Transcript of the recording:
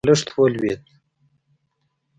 بالښت ولوېد.